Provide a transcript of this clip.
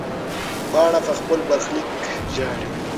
پاڼه په خپل برخلیک ژاړي.